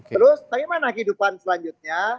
terus bagaimana kehidupan selanjutnya